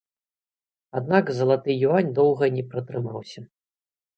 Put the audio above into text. Аднак залаты юань доўга не пратрымаўся.